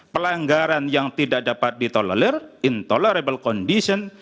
pelanggaran yang tidak dapat ditolelir intolerable condition